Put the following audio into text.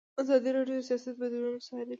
ازادي راډیو د سیاست بدلونونه څارلي.